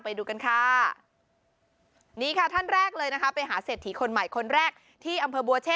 ไปดูกันค่ะนี่ค่ะท่านแรกเลยนะคะไปหาเศรษฐีคนใหม่คนแรกที่อำเภอบัวเช่